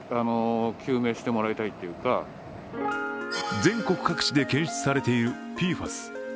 全国各地で検出されているＰＦＡＳ。